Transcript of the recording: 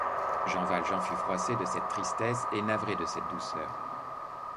Jean Valjean fut froissé de cette tristesse et navré de cette douceur.